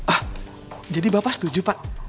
ah jadi bapak setuju pak